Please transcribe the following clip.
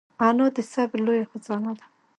انا د صبر لویه خزانه ده